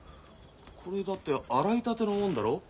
これだって洗いたてのもんだろ？